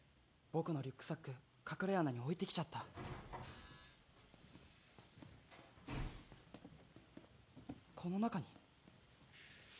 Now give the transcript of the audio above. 僕のリュックサック隠れ穴に置いてきちゃったこの中に？